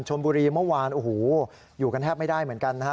เมื่อวานโอ้โหอยู่กันแทบไม่ได้เหมือนกันนะฮะ